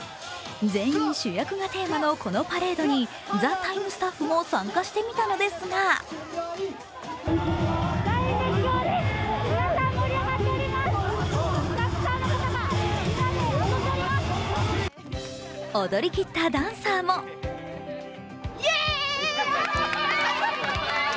「全員主役」がテーマのこのパレードに「ＴＨＥＴＩＭＥ，」のスタッフも参加してみたのですが踊りきったダンサーもイエーイ！！